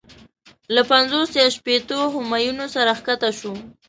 له پنځوس یا شپېتو همیونو سره کښته شو.